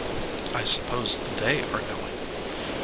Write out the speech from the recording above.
"I suppose They are goin ?"